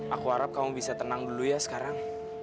aku harap kamu bisa tenang dulu ya sekarang